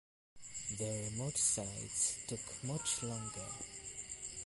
The remote sites took much longer.